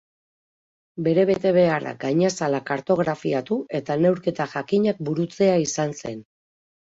Bere betebeharra gainazala kartografiatu eta neurketa jakinak burutzea izan zen.